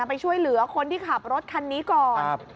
ไปช่วยเหลือคนที่ขับรถคันนี้ก่อน